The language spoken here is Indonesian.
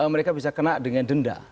mereka bisa kena dengan denda